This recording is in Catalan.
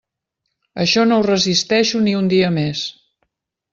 Això no ho resisteixo ni un dia més.